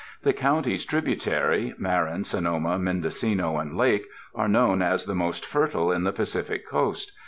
The Counties tributary, Marin, Sonoma, Mendocino and Lake, are known as the most fertile on the Pacific Coast.